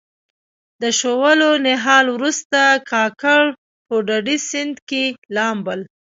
د شولو نهال وروسته کاکړ په ډډي سیند کې لامبل.